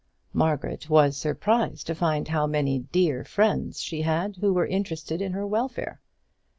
Margaret was surprised to find how many dear friends she had who were interested in her welfare.